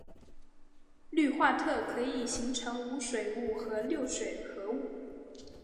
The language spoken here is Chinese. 氯化铽可以形成无水物和六水合物。